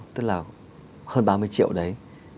tức là hơn ba mươi triệu đấy